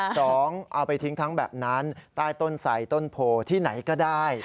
เอาไปทิ้งทั้งแบบนั้นใต้ต้นไสต้นโพที่ไหนก็ได้